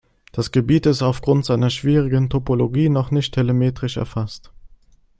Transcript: Das Gebiet ist aufgrund seiner schwierigen Topologie noch nicht telemetrisch erfasst.